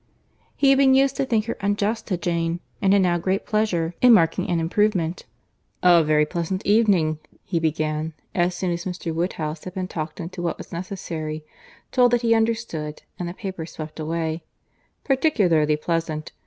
He had been used to think her unjust to Jane, and had now great pleasure in marking an improvement. "A very pleasant evening," he began, as soon as Mr. Woodhouse had been talked into what was necessary, told that he understood, and the papers swept away;—"particularly pleasant.